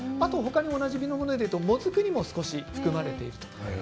おなじみのものでいうともずくにも少し含まれています。